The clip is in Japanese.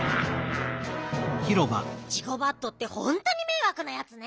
ジゴバットってほんとにめいわくなやつね。